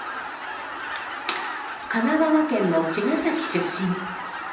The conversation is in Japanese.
神奈川県の茅ヶ崎出身。